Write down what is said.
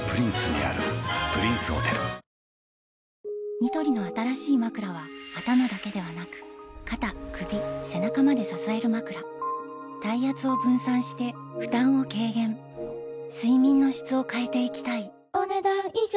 ニトリの新しいまくらは頭だけではなく肩・首・背中まで支えるまくら体圧を分散して負担を軽減睡眠の質を変えていきたいお、ねだん以上。